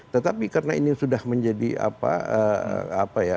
tetapi karena ini sudah menjadi apa apa ya